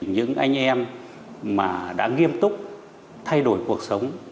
những anh em mà đã nghiêm túc thay đổi cuộc sống